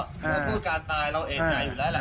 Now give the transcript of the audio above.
เพราะผู้การตายเราเอกใจอยู่แล้วแหละ